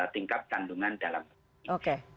tingkat kandungan dalam negeri